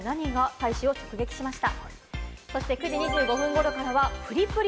大使を直撃しました。